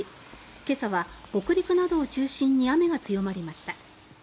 今朝は北陸などを中心に雨が強まりました。